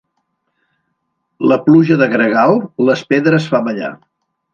La pluja de gregal les pedres fa ballar.